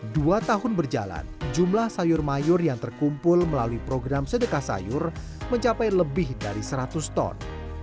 dua tahun berjalan jumlah sayur mayur yang terkumpul melalui program sedekah sayur mencapai lebih dari seratus ton